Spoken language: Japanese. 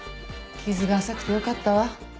傷が浅くてよかったわ。